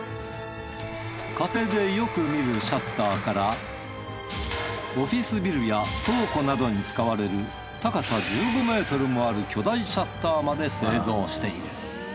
家庭でよく見るシャッターからオフィスビルや倉庫などに使われる高さ１５ｍもある巨大シャッターまで製造している。